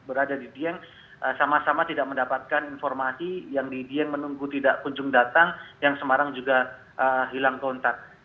berada di dieng sama sama tidak mendapatkan informasi yang di dieng menunggu tidak kunjung datang yang semarang juga hilang kontak